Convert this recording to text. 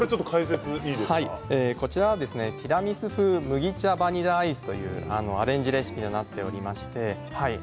こちらはティラミス風バニラアイスというアレンジレシピになっています。